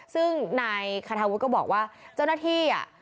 ซึ่งนายคาทาวุฒิก็บอกว่าเจ้าหน้าที่อ่ะ